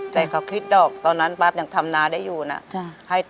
แต่เขาคิดดอกตอนนั้นปั๊ดยังทำนาได้อยู่นะ